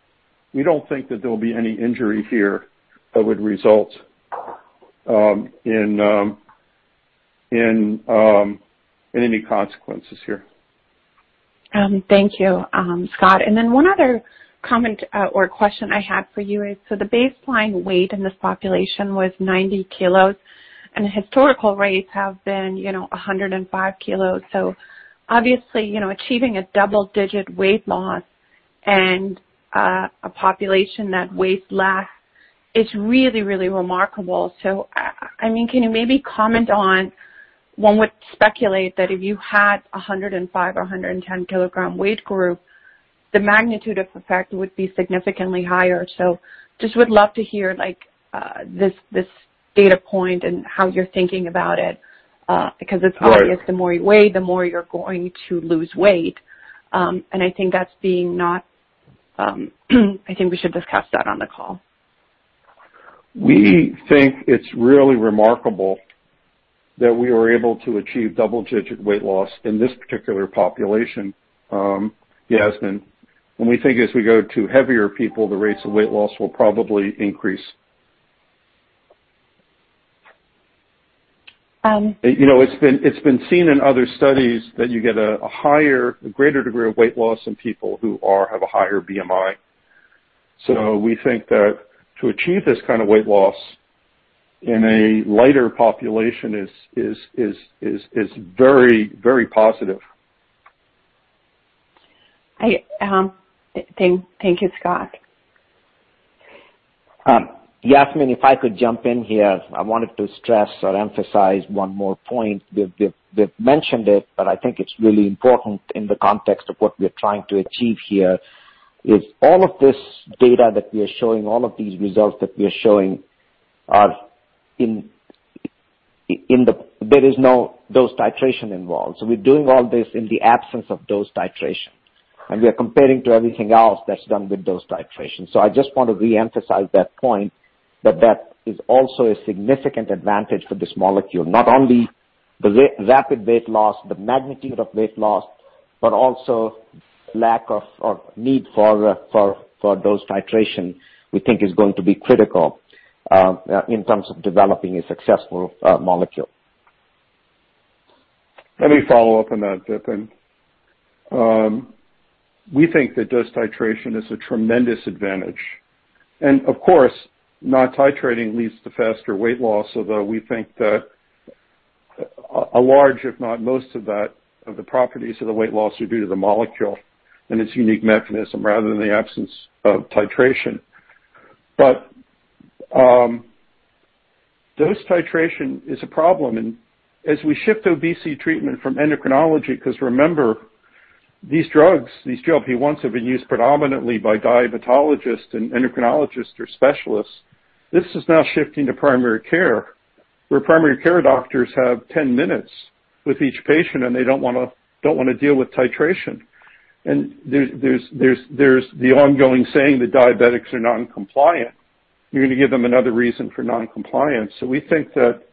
we don't think that there will be any injury here that would result in any consequences here. Thank you, Scott. One other comment or question I had for you is, so the baseline weight in this population was 90 kg, and historical rates have been 105 kg. Obviously, achieving a double-digit weight loss and a population that weighs less is really, really remarkable. Can you maybe comment on, one would speculate that if you had 105 or 110-kg weight group, the magnitude of effect would be significantly higher. Just would love to hear this data point and how you're thinking about it. Right. Because it's obvious the more you weigh, the more you're going to lose weight. I think we should discuss that on the call. We think it's really remarkable that we were able to achieve double-digit weight loss in this particular population, Yasmeen. We think as we go to heavier people, the rates of weight loss will probably increase. It's been seen in other studies that you get a higher, a greater degree of weight loss in people who have a higher BMI. We think that to achieve this kind of weight loss in a lighter population is very positive. Thank you, Scott. Yasmeen, if I could jump in here. I wanted to stress or emphasize one more point. We've mentioned it. I think it's really important in the context of what we're trying to achieve here, is all of this data that we are showing, all of these results that we are showing, there is no dose titration involved. We're doing all this in the absence of dose titration, and we are comparing to everything else that's done with dose titration. I just want to reemphasize that point, that that is also a significant advantage for this molecule. Not only the rapid weight loss, the magnitude of weight loss, but also lack of need for dose titration, we think is going to be critical in terms of developing a successful molecule. Let me follow up on that, Vipin. We think that dose titration is a tremendous advantage. Of course, not titrating leads to faster weight loss, although we think that a large, if not most of that, of the properties of the weight loss are due to the molecule and its unique mechanism rather than the absence of titration. Dose titration is a problem, and as we shift obesity treatment from endocrinology, because remember, these drugs, these GLP-1s have been used predominantly by diabetologists and endocrinologists or specialists. This is now shifting to primary care, where primary care doctors have 10 minutes with each patient, and they don't want to deal with titration. There's the ongoing saying that diabetics are non-compliant. You're going to give them another reason for non-compliance. We think that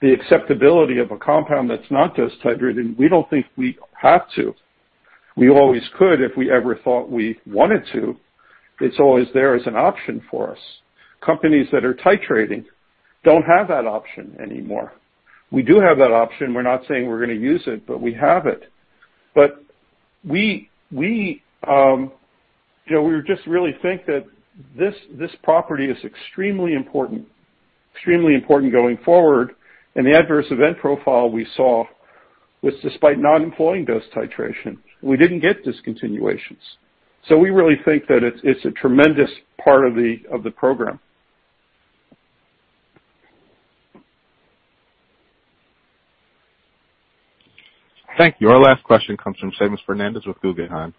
the acceptability of a compound that's not dose titrated, we don't think we have to. We always could if we ever thought we wanted to. It's always there as an option for us. Companies that are titrating don't have that option anymore. We do have that option. We're not saying we're going to use it, but we have it. We just really think that this property is extremely important going forward. The adverse event profile we saw was despite not employing dose titration. We didn't get discontinuations. We really think that it's a tremendous part of the program. Thank you. Our last question comes from Seamus Fernandez with Guggenheim.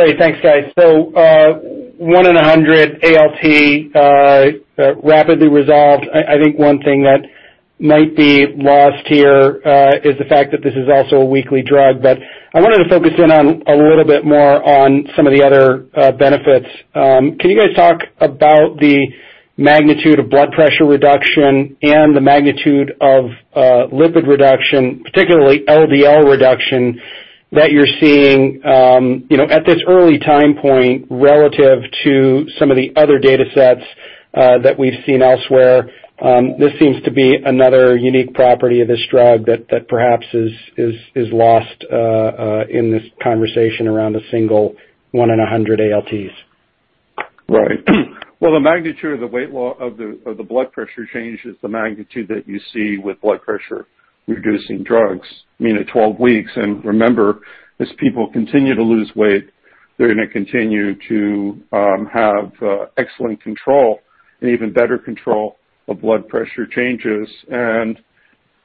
Great. Thanks, guys. One in 100 ALT, rapidly resolved. I think one thing that might be lost here is the fact that this is also a weekly drug. I wanted to focus in a little bit more on some of the other benefits. Can you guys talk about the magnitude of blood pressure reduction and the magnitude of lipid reduction, particularly LDL reduction, that you're seeing at this early time point relative to some of the other data sets that we've seen elsewhere? This seems to be another unique property of this drug that perhaps is lost in this conversation around a single one in 100 ALTs. Right. Well, the magnitude of the blood pressure change is the magnitude that you see with blood pressure-reducing drugs. I mean, at 12 weeks, and remember, as people continue to lose weight, they're going to continue to have excellent control and even better control of blood pressure changes.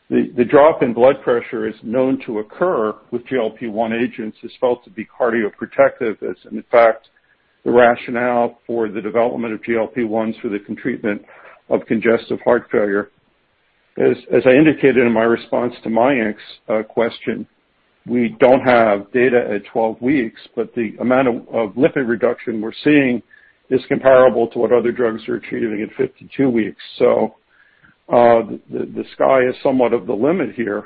The drop in blood pressure is known to occur with GLP-1 agents, is felt to be cardioprotective. In fact, the rationale for the development of GLP-1s for the treatment of congestive heart failure. As I indicated in my response to Mayank's question, we don't have data at 12 weeks, but the amount of lipid reduction we're seeing is comparable to what other drugs are achieving at 52 weeks. The sky is somewhat of the limit here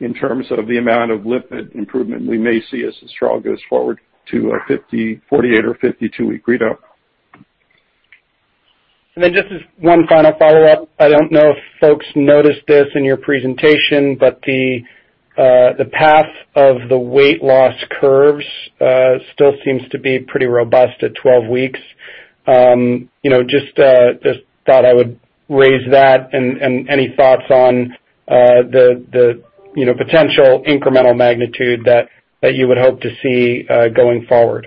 in terms of the amount of lipid improvement we may see as this drug goes forward to a 48- or 52-week readout. Just as one final follow-up, I don't know if folks noticed this in your presentation, but the path of the weight loss curves still seems to be pretty robust at 12 weeks. Just thought I would raise that and any thoughts on the potential incremental magnitude that you would hope to see going forward.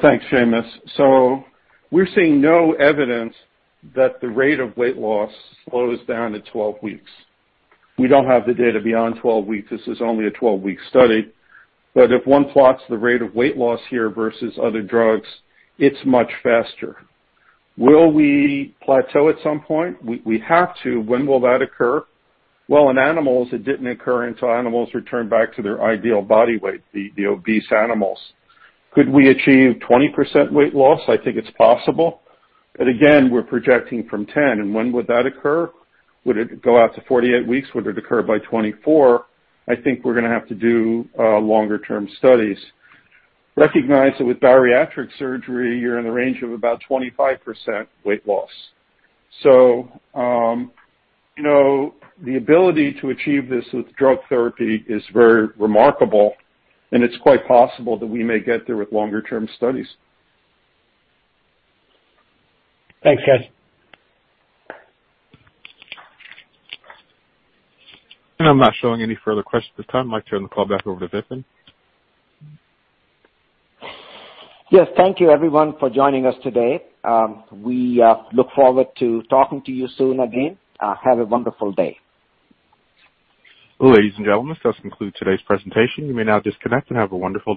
Thanks, Seamus. We're seeing no evidence that the rate of weight loss slows down at 12 weeks. We don't have the data beyond 12 weeks. This is only a 12-week study. If one plots the rate of weight loss here versus other drugs, it's much faster. Will we plateau at some point? We have to. When will that occur? Well, in animals, it didn't occur until animals returned back to their ideal body weight, the obese animals. Could we achieve 20% weight loss? I think it's possible. Again, we're projecting from 10. When would that occur? Would it go out to 48 weeks? Would it occur by 24? I think we're going to have to do longer-term studies. Recognize that with bariatric surgery, you're in the range of about 25% weight loss. The ability to achieve this with drug therapy is very remarkable, and it's quite possible that we may get there with longer-term studies. Thanks, guys. I'm not showing any further questions at the time. I'd like to turn the call back over to Vipin. Yes, thank you everyone for joining us today. We look forward to talking to you soon again. Have a wonderful day. Ladies and gentlemen, this does conclude today's presentation. You may now disconnect and have a wonderful day.